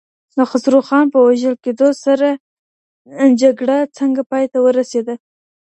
د خسرو خان په وژل کيدو سره جګړه څنګه پای ته ورسېده؟